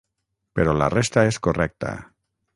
Però la resta és correcta.